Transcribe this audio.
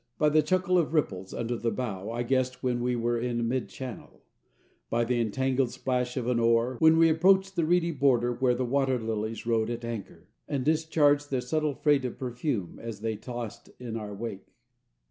By the chuckle of ripples under the bow, I guessed when we were in mid channel; by the entangled splash of an oar, when we approached the reedy border where the water lilies rode at anchor, and discharged their subtle freight of perfume as they tossed in our wake.